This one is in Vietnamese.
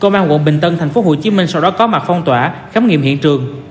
công an quận bình tân thành phố hồ chí minh sau đó có mặt phong tỏa khám nghiệm hiện trường